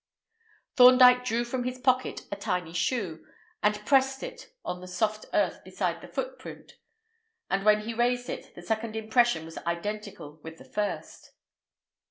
Thorndyke drew from his pocket a tiny shoe, and pressed it on the soft earth beside the footprint; and when he raised it the second impression was identical with the first.